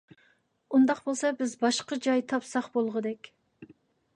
ئۇنداق بولسا بىز باشقا جاي تاپساق بولغۇدەك.